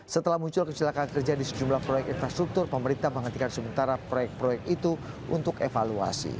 setelah muncul kecelakaan kerja di sejumlah proyek infrastruktur pemerintah menghentikan sementara proyek proyek itu untuk evaluasi